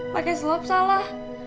pakai selop salah